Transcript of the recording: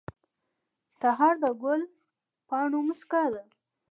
سهار د ګل پاڼو موسکا ده.